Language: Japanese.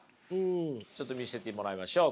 ちょっと見せてもらいましょう。